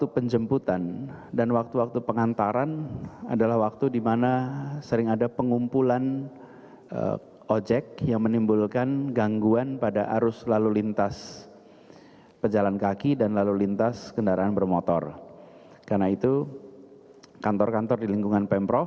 pembangunan halte khusus transportasi online